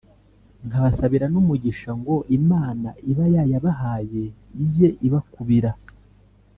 nkabasabira n’umugisha ngo Imana iba yayabahaye ijye ibakubira